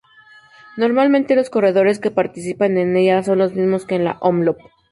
Normalmente los corredores que participan en ella son los mismos que en la Omloop.